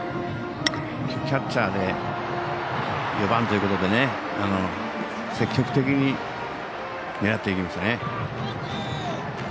キャッチャーで４番ということで積極的に狙っていきましたね。